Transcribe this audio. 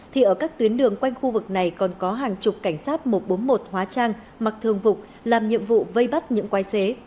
thì ở các tuyến đường quanh khu vực này còn có hàng chục cảnh sát một trăm bốn mươi một hóa trang mặc thương vục làm nhiệm vụ vây bắt những quay xế